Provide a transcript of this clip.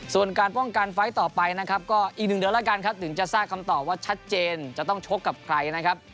ส่วนการป้องกันไฟล์ต่อไปนะครับก็อีกหนึ่งเดือนแล้วกันครับถึงจะทราบคำตอบว่าชัดเจนจะต้องชกกับใครนะครับ